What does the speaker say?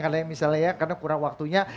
karena misalnya kurang waktunya